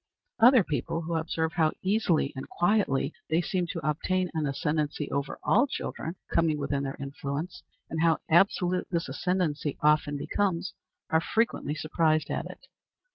Other people, who observe how easily and quietly they seem to obtain an ascendency over all children coming within their influence, and how absolute this ascendency often becomes, are frequently surprised at it.